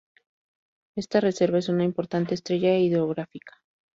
Esta Reserva, es una importante estrella hidrográfica.